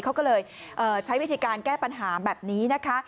เขาก็เลยใช้วิธีการแก้ปัญหาแบบนี้นะคะ